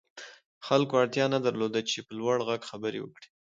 خلکو اړتيا نه درلوده چې په لوړ غږ خبرې وکړي.